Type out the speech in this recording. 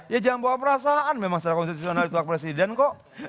ya jangan bawa perasaan memang secara konstitusional itu hak presiden kok